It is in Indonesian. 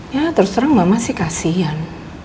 ya terus terang mama sih kasian